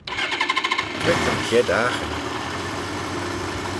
Cre ta'n chied aghin?